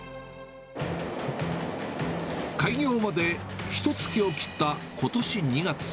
開業までひとつきを切ったことし２月。